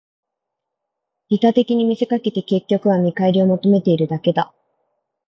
利他的に見せかけて、結局は見返りを求めているだけだ